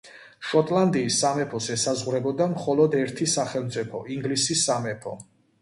შოტლანდიის სამეფოს ესაზღვრებოდა მხოლოდ ერთი სახელმწიფო, ინგლისის სამეფო.